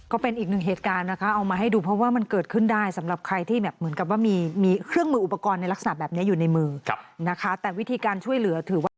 ก็เป็นอีกหนึ่งเหตุการณ์นะคะเอามาให้ดูเพราะว่ามันเกิดขึ้นได้สำหรับใครที่แบบเหมือนกับว่ามีเครื่องมืออุปกรณ์ในลักษณะแบบนี้อยู่ในมือนะคะแต่วิธีการช่วยเหลือถือว่า